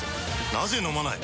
なぜ飲まない？